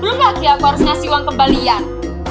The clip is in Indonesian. belum lagi aku harus ngasih uang kembalian